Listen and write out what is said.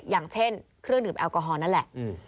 อย่างเช่นเครื่องดื่มแอลกอฮอลนั่นแหละ